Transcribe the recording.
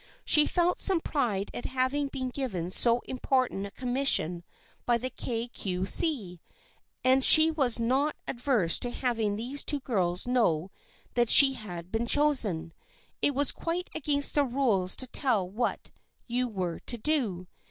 She felt some pride at having been given so important a commission by the Kay Cue See and she was not averse to having these two girls know that she had been chosen. It was quite against the rules to tell what you were to do.